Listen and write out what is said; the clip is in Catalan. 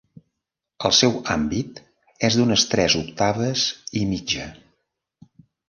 El seu àmbit és d'unes tres octaves i mitja.